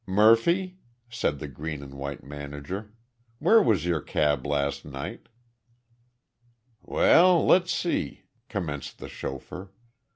"Murphy," said the Green and White manager, "where was your cab last night?" "Well, let's see," commenced the chauffeur.